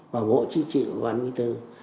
và bộ chính trị của ban phí thư